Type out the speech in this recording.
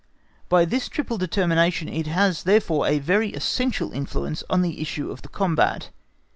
By this triple determination it has therefore a very essential influence on the issue of the combat.